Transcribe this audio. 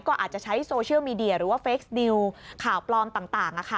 ก็อาจจะใช้โซเชียลมีเดียหรือว่าเฟคนิวข่าวปลอมต่าง